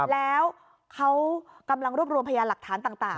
แล้วเขากำลังรวบรวมพยานหลักฐานต่าง